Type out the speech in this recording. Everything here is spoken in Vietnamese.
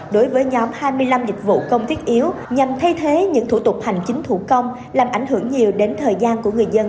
đối với nhóm hai mươi năm dịch vụ công thiết yếu nhằm thay thế những thủ tục hành chính thủ công làm ảnh hưởng nhiều đến thời gian của người dân